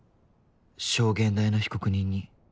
証言台の被告人に」。